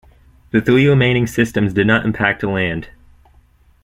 The three remaining systems did not impact land.